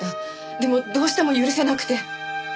でもどうしても許せなくて。